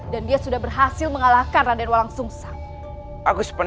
dan dia sudah berhasil mengalahkan raden walang sungguh sumengang